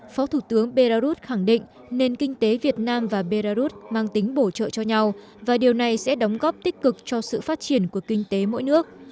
phó thủ tướng belarus khẳng định nền kinh tế việt nam và belarus mang tính bổ trợ cho nhau và điều này sẽ đóng góp tích cực cho sự phát triển của kinh tế mỗi nước